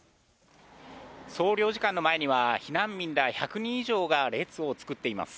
総領事館の前には、避難民ら１００人以上が列を作っています。